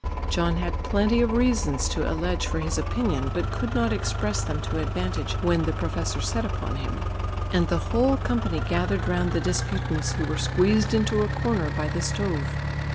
John had plenty of reasons to allege for his opinion, but could not express them to advantage when the professor set upon him, and the whole company gathered round the disputants, who were squeezed into a corner by the stove.